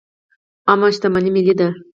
عامه شتمني ملي ده